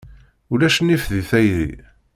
Ulac nnif deg tayri.